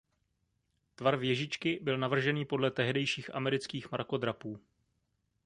Tvar věžičky byl navržený podle tehdejších amerických mrakodrapů.